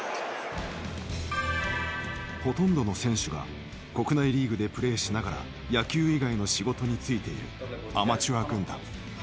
ほとんどの選手が国内リーグでプレイしながら野球以外の仕事に就いているアマチュア軍団。